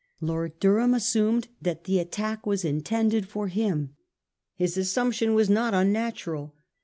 Lord Durham assumed that the attack was intended for him. His assumption was not unnatural.